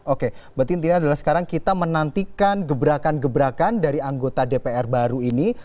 oke berarti intinya adalah sekarang kita menantikan gebrakan gebrakan dari anggota dpr baru ini